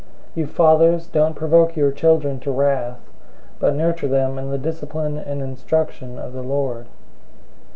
"{Deuteronomy 5:16} 006:004 You fathers, don't provoke your children to wrath, but nurture them in the discipline and instruction of the Lord.